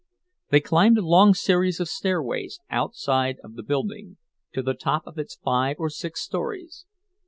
They climbed a long series of stairways outside of the building, to the top of its five or six stories.